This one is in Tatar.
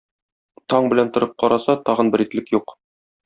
Таң белән торып караса, тагын бер итлек юк.